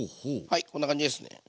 はいこんな感じですね。